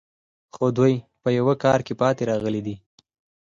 خو دوی په یوه کار کې پاتې راغلي دي